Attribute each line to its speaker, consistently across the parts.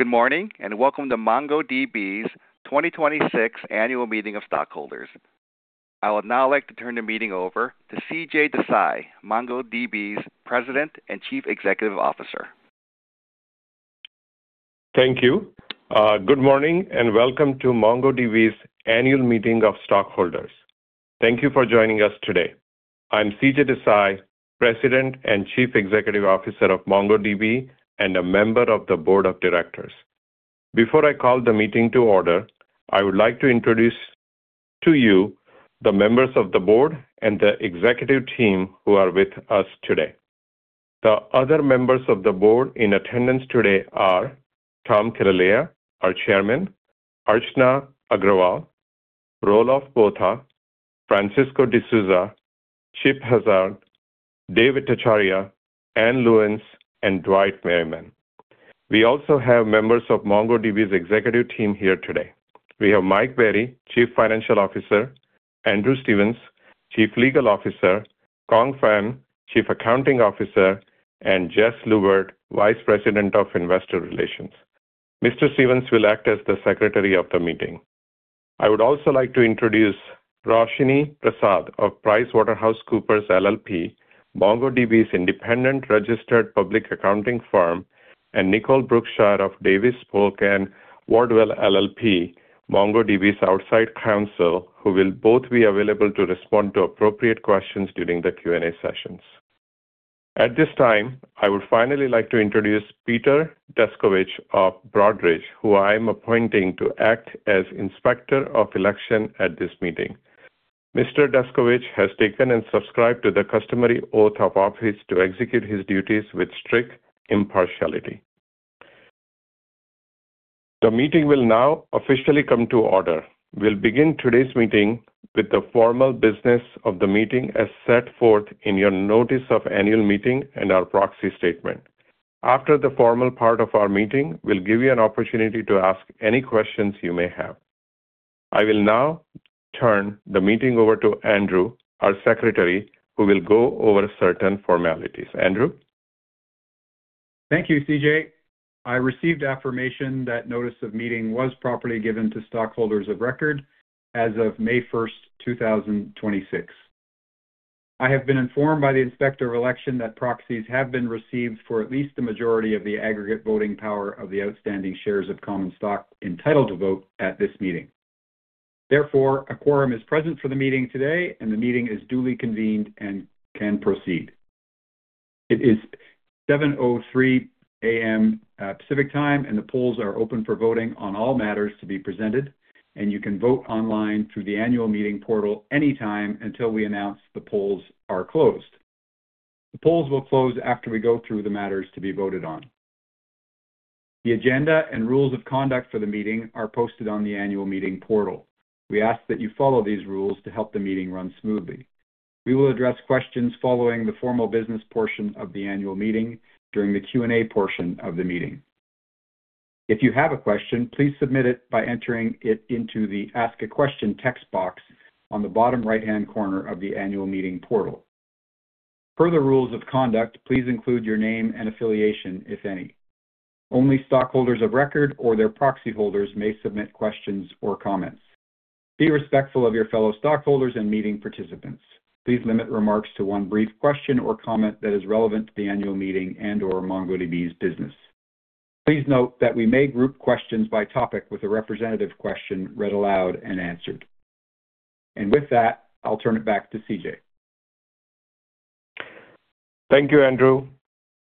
Speaker 1: Good morning, welcome to MongoDB's 2026 Annual Meeting of Stockholders. I would now like to turn the meeting over to CJ Desai, MongoDB's President and Chief Executive Officer.
Speaker 2: Thank you. Good morning, welcome to MongoDB's Annual Meeting of Stockholders. Thank you for joining us today. I'm CJ Desai, President and Chief Executive Officer of MongoDB and a member of the Board of Directors. Before I call the meeting to order, I would like to introduce to you the members of the board and the executive team who are with us today. The other members of the board in attendance today are Tom Killalea, our Chairman, Archana Agrawal, Roelof Botha, Francisco D'Souza, Chip Hazzard, David Acharya, Ann Lewnes, and Dwight Merriman. We also have members of MongoDB's executive team here today. We have Mike Berry, Chief Financial Officer, Andrew Stephens, Chief Legal Officer, Kong Phan, Chief Accounting Officer, and Jes Lewert, Vice President of Investor Relations. Mr. Stephens will act as the secretary of the meeting. I would also like to introduce Roshini Prasad of PricewaterhouseCoopers LLP, MongoDB's independent registered public accounting firm, and Nicole Brookshire of Davis Polk & Wardwell LLP, MongoDB's outside counsel, who will both be available to respond to appropriate questions during the Q&A sessions. At this time, I would finally like to introduce Peter Deskovich of Broadridge, who I am appointing to act as Inspector of Election at this meeting. Mr. Deskovich has taken and subscribed to the customary oath of office to execute his duties with strict impartiality. The meeting will now officially come to order. We'll begin today's meeting with the formal business of the meeting as set forth in your notice of annual meeting and our proxy statement. After the formal part of our meeting, we'll give you an opportunity to ask any questions you may have. I will now turn the meeting over to Andrew, our secretary, who will go over certain formalities. Andrew?
Speaker 3: Thank you, CJ. I received affirmation that notice of meeting was properly given to stockholders of record as of May 1st, 2026. I have been informed by the Inspector of Election that proxies have been received for at least the majority of the aggregate voting power of the outstanding shares of common stock entitled to vote at this meeting. A quorum is present for the meeting today, and the meeting is duly convened and can proceed. It is 7:03 A.M. Pacific Time. The polls are open for voting on all matters to be presented. You can vote online through the annual meeting portal anytime until we announce the polls are closed. The polls will close after we go through the matters to be voted on. The agenda and rules of conduct for the meeting are posted on the annual meeting portal. We ask that you follow these rules to help the meeting run smoothly. We will address questions following the formal business portion of the annual meeting during the Q&A portion of the meeting. If you have a question, please submit it by entering it into the Ask a Question text box on the bottom right-hand corner of the annual meeting portal. Per the rules of conduct, please include your name and affiliation, if any. Only stockholders of record or their proxy holders may submit questions or comments. Be respectful of your fellow stockholders and meeting participants. Please limit remarks to one brief question or comment that is relevant to the annual meeting and/or MongoDB's business. Please note that we may group questions by topic with a representative question read aloud and answered. With that, I'll turn it back to CJ.
Speaker 2: Thank you, Andrew.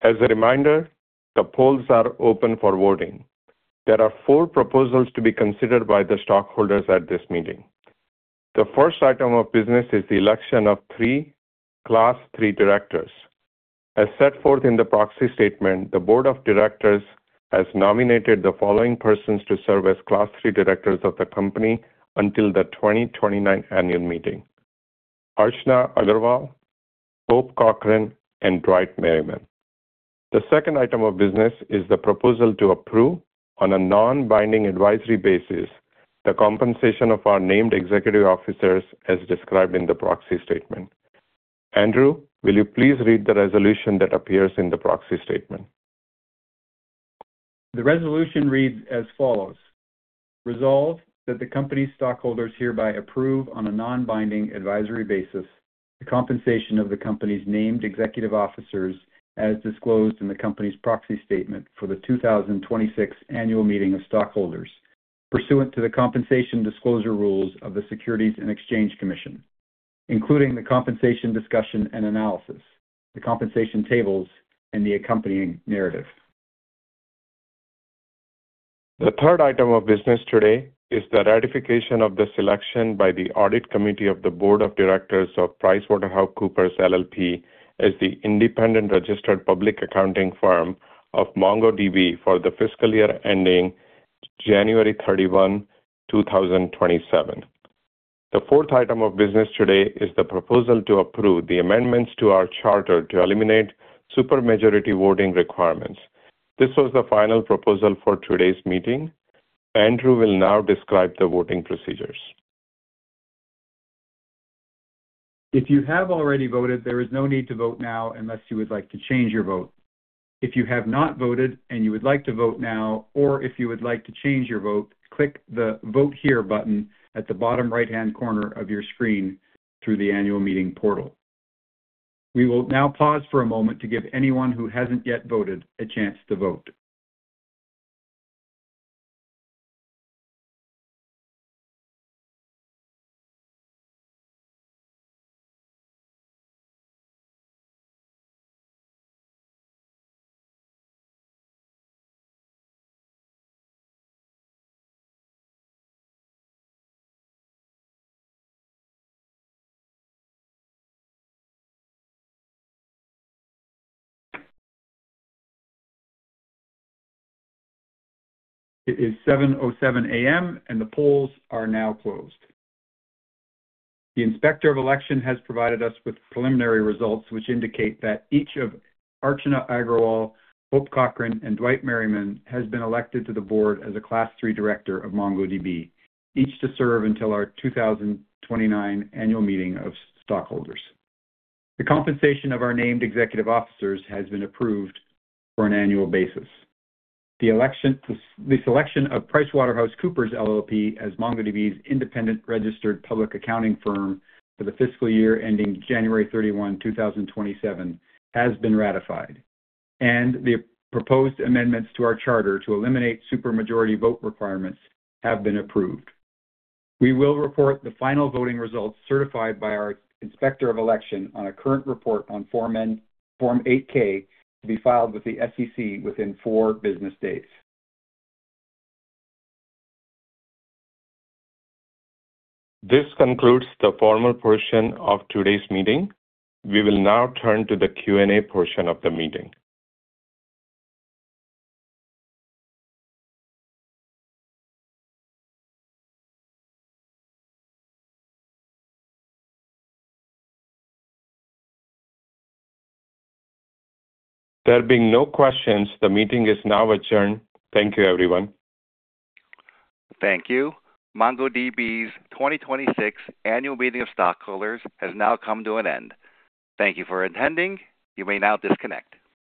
Speaker 2: As a reminder, the polls are open for voting. There are four proposals to be considered by the stockholders at this meeting. The first item of business is the election of three Class III directors. As set forth in the proxy statement, the Board of Directors has nominated the following persons to serve as Class III directors of the company until the 2029 annual meeting, Archana Agrawal, Hope Cochran, and Dwight Merriman. The second item of business is the proposal to approve, on a non-binding advisory basis, the compensation of our named executive officers as described in the proxy statement. Andrew, will you please read the resolution that appears in the proxy statement?
Speaker 3: The resolution reads as follows. Resolve that the company's stockholders hereby approve on a non-binding advisory basis the compensation of the company's named executive officers as disclosed in the company's proxy statement for the 2026 Annual Meeting of Stockholders pursuant to the compensation disclosure rules of the Securities and Exchange Commission, including the compensation discussion and analysis, the compensation tables, and the accompanying narrative.
Speaker 2: The third item of business today is the ratification of the selection by the Audit Committee of the Board of Directors of PricewaterhouseCoopers LLP as the independent registered public accounting firm of MongoDB for the fiscal year ending January 31, 2027. The fourth item of business today is the proposal to approve the amendments to our charter to eliminate supermajority voting requirements. This was the final proposal for today's meeting. Andrew will now describe the voting procedures
Speaker 3: If you have already voted, there is no need to vote now unless you would like to change your vote. If you have not voted and you would like to vote now, or if you would like to change your vote, click the Vote Here button at the bottom right-hand corner of your screen through the annual meeting portal. We will now pause for a moment to give anyone who hasn't yet voted a chance to vote. It is 7:07 A.M. and the polls are now closed. The Inspector of Election has provided us with preliminary results, which indicate that each of Archana Agrawal, Hope Cochran, and Dwight Merriman has been elected to the board as a class 3 director of MongoDB, each to serve until our 2029 annual meeting of stockholders. The compensation of our named executive officers has been approved for an annual basis. The selection of PricewaterhouseCoopers LLP as MongoDB's independent registered public accounting firm for the fiscal year ending January 31, 2027, has been ratified, and the proposed amendments to our charter to eliminate supermajority vote requirements have been approved. We will report the final voting results certified by our Inspector of Election on a current report on Form 8-K to be filed with the SEC within four business days.
Speaker 2: This concludes the formal portion of today's meeting. We will now turn to the Q&A portion of the meeting. There being no questions, the meeting is now adjourned. Thank you, everyone.
Speaker 1: Thank you. MongoDB's 2026 annual meeting of stockholders has now come to an end. Thank you for attending. You may now disconnect.